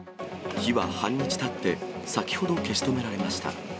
火は半日たって、先ほど消し止められました。